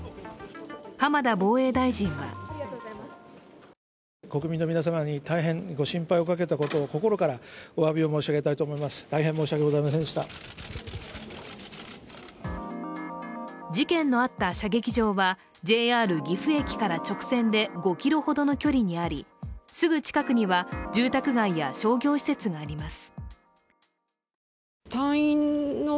浜田防衛大臣は事件のあった射撃場はＪＲ岐阜駅から直線で５ｋｍほどの距離にあり、すぐ近くには住宅街や商業施設があります。